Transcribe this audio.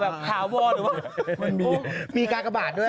แบบขาวบ้อหนูไหมครับมีกากบาทด้วย